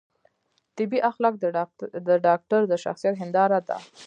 طبي اخلاق د ډاکتر د شخصیت هنداره ده.